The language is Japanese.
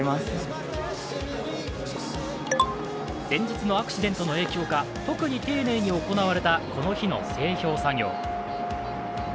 前日のアクシデントの影響か、特に丁寧に行われたこの日の整氷作業。